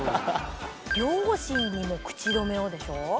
「両親にも口止めを」でしょ？